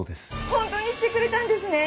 本当に来てくれたんですね！